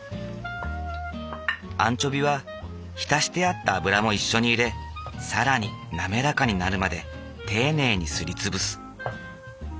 アンチョビは浸してあった油も一緒に入れ更に滑らかになるまで丁寧にすり潰す。